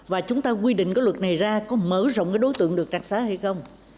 và chúng ta quy định cái luật này ra có mở rộng cái đối tượng được đặc xá hay không